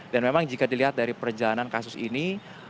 dan memang jika dilihat dari perjalanan kasus ini